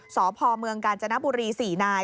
สพเมืองกาญจนบุรี๔นาย